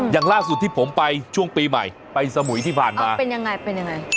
อย่างล่าสุดที่ผมไปช่วงปีใหม่ไปสมุยที่ผ่านมาเป็นยังไงเป็นยังไง